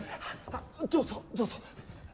あっどうぞどうぞ！